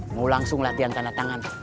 mau langsung latihan tanda tangan